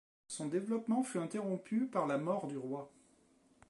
Son développement fut interrompu par la mort du roi.